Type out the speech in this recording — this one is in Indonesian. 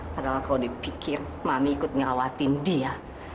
padahal kalau dipikir mami ikut ngerawatin dia